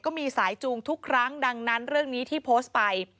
ก็มีสายจูงทุกครั้งดังนั้นเรื่องนี้ที่โพสต์ไป